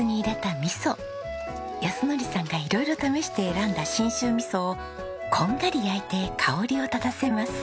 靖典さんが色々試して選んだ信州味噌をこんがり焼いて香りを立たせます。